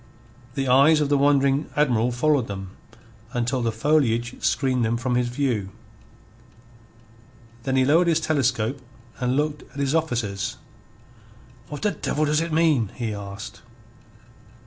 The eyes of the wondering Admiral followed them until the foliage screened them from his view. Then he lowered his telescope and looked at his officers. "What the devil does it mean?" he asked.